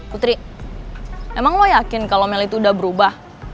putri emang lo yakin kalo mel itu udah berubah